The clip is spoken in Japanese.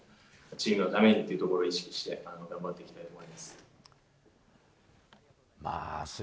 チームのためにというところを意識して、頑張っていきたいと思います。